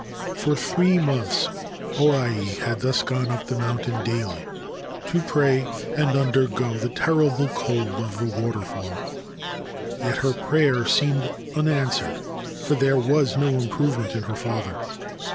For three months O Ai had thus gone up the mountain daily to pray and undergo the terrible cold of the water fall ; yet her prayer seemed unanswered, for there was no improvement in her father.